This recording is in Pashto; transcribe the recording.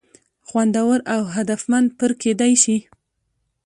خوندور او هدفمند پر کېدى شي.